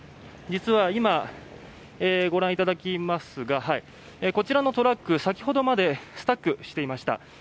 実は今、ご覧いただきますがこちらのトラック、先ほどまでスタックしていました。